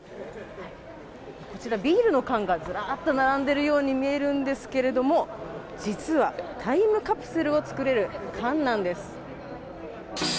こちら、ビールの缶がずらっと並んでいるように見えるんですけど実は、タイムカプセルを作れる缶なんです。